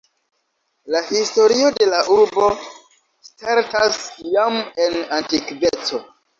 La historio de la urbo startas jam en antikveco.